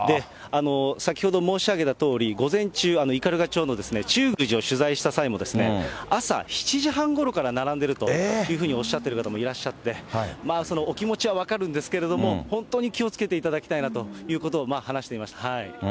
先ほど申し上げたとおり、午前中、斑鳩町の中宮寺を取材した際にも、朝７時半ごろから並んでるというふうにおっしゃってる方もいらっしゃって、お気持ちは分かるんですけど、本当に気をつけていただきたいなということを話していました。